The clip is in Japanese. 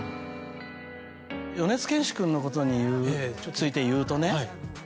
米津玄師君のことについて言うとね